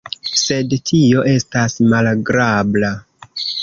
Sed tio estas malagrabla.